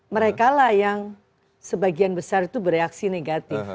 mereka lah yang sebagian besar itu bereaksi negatif